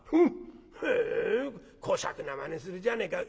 へえこしゃくなまねするじゃねえか。